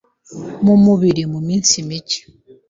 mu mubiri mu minsi micye,